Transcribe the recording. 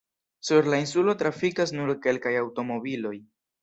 Sur la insulo trafikas nur kelkaj aŭtomobiloj.